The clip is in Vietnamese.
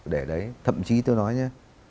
để đấy thậm chí tôi nói nhé